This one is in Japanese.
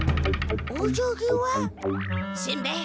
しんべヱ。